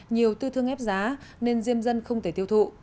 nhiều tư thương ép giá nên diêm dân không thể tiêu thụ